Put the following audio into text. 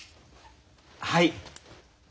はい？